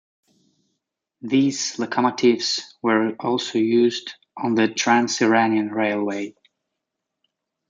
These locomotives were also used on the Trans-Iranian Railway.